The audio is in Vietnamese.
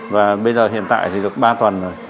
và bây giờ hiện tại chỉ được ba tuần rồi